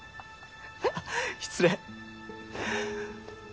失礼。